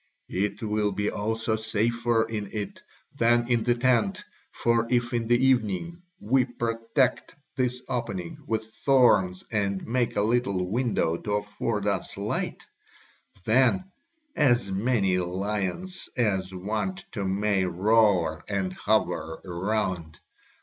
It will be also safer in it than in the tent for if in the evening we protect this opening with thorns and make a little window to afford us light, then as many lions as want to may roar and hover around.